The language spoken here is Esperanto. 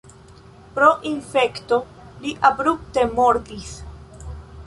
Pro infekto li abrupte mortis.